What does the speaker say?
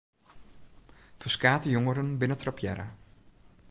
Ferskate jongeren binne trappearre.